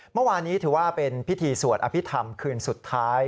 เมื่อวานนี้ถือว่าเป็นพิธีสวดอภิษฐรรมคืนสุดท้าย